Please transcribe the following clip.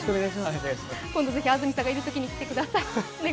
今度、安住さんがいるときに来てください。